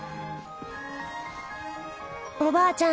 おばあちゃん